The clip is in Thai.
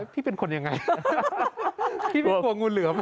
พี่เป็นกว่างูเหลือ